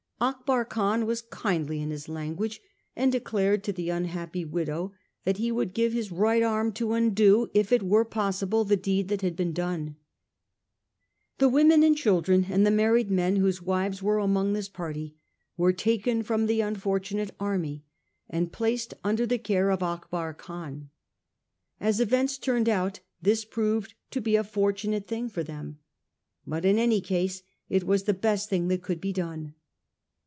Akbar Khan was kindly in his language, and declared to the unhappy widow that he would give his right arm to undo, if it were possible, the deed that he had done. The women and children and the married men whose wives were among this party were taken from the unfortunate army and placed under the care of Akbar Khan. As events turned out this proved a fortunate thing for them. But in any case it was the best thing that could be done.